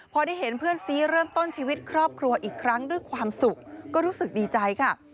พอได้เห็นเพื่อนซีเริ่มต้นชีวิตครอบครัวอีกครั้งด้วยความสุขก็รู้สึกดีใจค่ะ